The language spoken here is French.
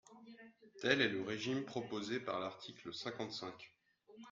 Tel est le régime proposé par l’article cinquante-cinq.